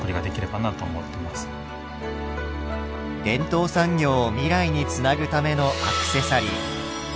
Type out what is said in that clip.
伝統産業を未来につなぐためのアクセサリー。